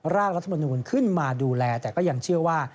ร่างรัฐมนูลขึ้นมาดูแลแต่ก็ยังเชื่อว่า